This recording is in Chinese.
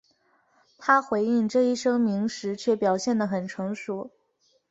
他回应这一声明时却表现得很成熟。